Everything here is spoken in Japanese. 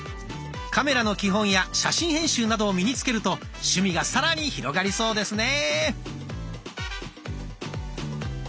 カメラの基本や写真編集などを身につけると趣味がさらに広がりそうですね。